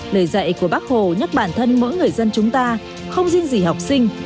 lời dạy của bác hồ nhắc bản thân mỗi người dân chúng ta không riêng gì học sinh